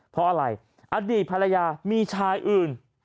เพราะอะไรอดีตภรรยามีชายอื่น